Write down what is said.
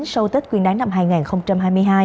sau tết quyền đáng năm hai nghìn hai mươi hai